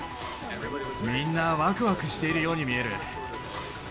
みんなわくわくしているように見える。